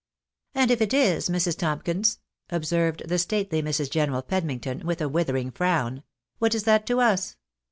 " And if it is, Mrs. Tomkins," observed the stately Mrs. General Pedmington, with a withering frown, " what is that to us